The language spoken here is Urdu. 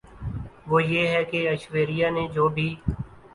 وہ یہ ہے کہ ایشوریا نے جو بھی